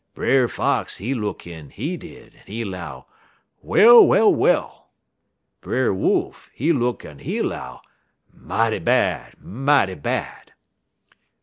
"Brer Fox, he look in, he did, en he 'low, 'Well, well, well!' Brer Wolf, he look in, en he 'low, 'Mighty bad, mighty bad!'